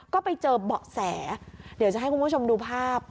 ก็ไปเจอเบาะแสเดี๋ยวจะให้คุณผู้ชมดูภาพ